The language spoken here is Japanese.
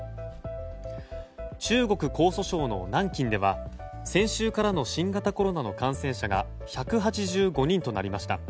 中国・江蘇省の南京では先週からの新型コロナの感染者が１８５人となりました。